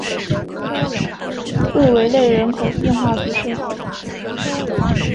厄维勒人口变化图示